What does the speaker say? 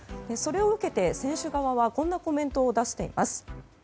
それを受けて選手側はこんなコメントを出しています。